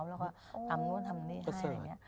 แล้วก็ทำนวดทำนี่ให้อย่างนี้